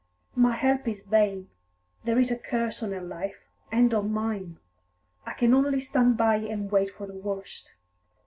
"My help is vain. There is a curse on her life, and on mine. I can only stand by and wait for the worst."